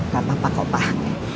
gak apa apa pak